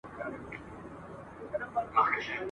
ټولو وویل دا تشي افسانې دي ..